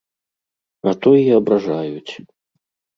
А то і абражаюць.